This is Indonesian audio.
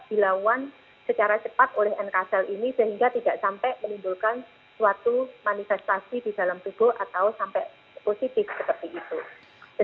jadi kita harus dilawan secara cepat oleh nk cell ini sehingga tidak sampai melindungi suatu manifestasi di dalam tubuh atau sampai positif seperti itu